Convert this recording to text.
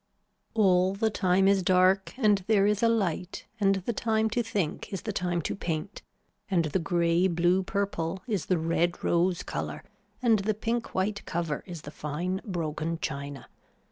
All the time is dark and there is a light and the time to think is the time to paint and the grey blue purple is the red rose color and the pink white cover is the fine broken china.